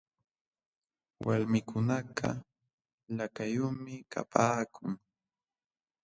Walmikunakaq lakayuqmi kapaakun.